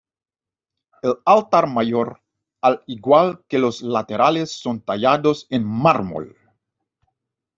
El altar mayor, al igual que los laterales, son tallados en mármol.